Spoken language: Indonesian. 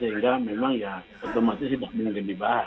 sehingga memang ya otomatis tidak mungkin dibahas